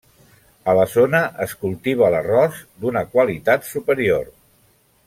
A la zona es cultiva l'arròs, d'una qualitat superior.